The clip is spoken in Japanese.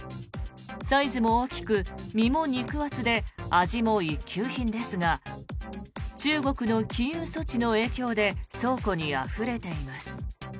サイズも大きく、身も肉厚で味も一級品ですが中国の禁輸措置の影響で倉庫にあふれています。